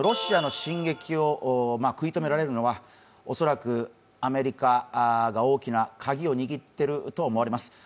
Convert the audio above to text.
ロシアの進撃を食い止められるのは恐らくアメリカが大きな鍵を握っていると思われます。